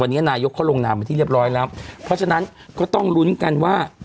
วันนี้นายกเขาลงนามไปที่เรียบร้อยแล้วเพราะฉะนั้นก็ต้องลุ้นกันว่า